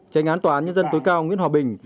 tranh án tòa nhân dân tối cao nguyễn hòa bình